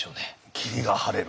霧が晴れる。